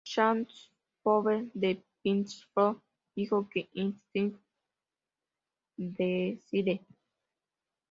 Shan Fowler de "Pitchfork" dijo que "Is This Desire?